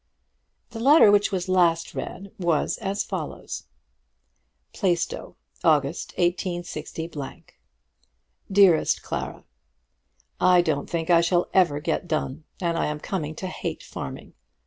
The letter which was last read was as follows: Plaistow, August, 186 . DEAREST CLARA, I don't think I shall ever get done, and I am coming to hate farming.